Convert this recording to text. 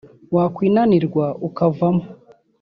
wakwinanirwa ukavamo